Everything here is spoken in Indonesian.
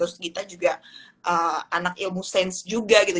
terus gita juga anak ilmu sains juga gitu